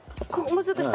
もうちょっと下？